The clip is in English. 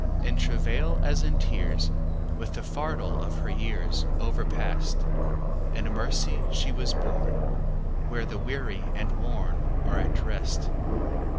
In travail, as in tears, With the fardel of her yearsOverpast, In mercy she was borneWhere the weary and wornAre at rest.